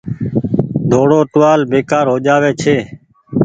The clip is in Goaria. ۮوڙو ٽوهآل بيڪآر هو جآ وي ڇي۔